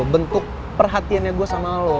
bentuk perhatiannya gue sama lo